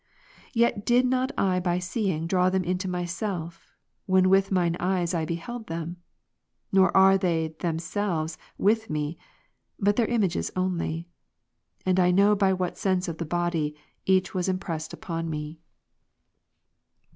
Yet did not I by seeing draM^ them into ijiyself, when with mine eyes I beheld them ; nor are they themselves with me, but their images only. And I know by Avhat sense of the body, each was impressed upon me.